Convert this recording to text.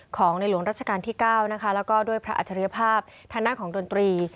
ของในหลวงรัชกาลที่๙นะคะแล้วก็ด้วยพระอัจฉริยภาพทางด้านของดนตรี